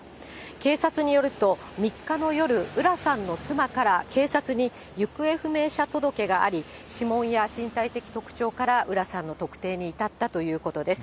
警察によると、３日の夜、浦さんの妻から、警察に行方不明者届があり、指紋や身体的特徴から浦さんの特定に至ったということです。